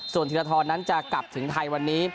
ส่วนธีรทรนั้นจะกลับถึงไทยวันนี้